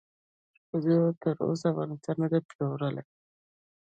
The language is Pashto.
ښځو تر اوسه افغانستان ندې پلورلی